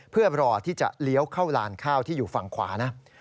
เพื่อรอที่จะเลี้ยวเข้าลานข้าวที่อยู่ฝั่งขวานะ